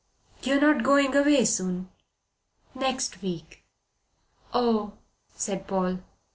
"You're not going away soon?" "Next week." "Oh!" said Paul.